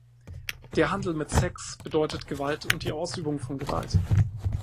Der Handel mit Sex bedeutet Gewalt und die Ausübung von Gewalt.